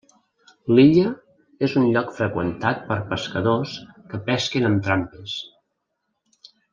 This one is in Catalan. L'illa és un lloc freqüentat per pescadors que pesquen amb trampes.